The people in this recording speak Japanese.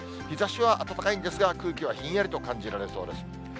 日ざしは暖かいんですが、空気はひんやりと感じられそうです。